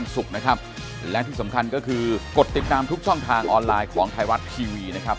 สำคัญก็คือกดติดตามทุกช่องทางออนไลน์ของไทยรัฐทีวีนะครับ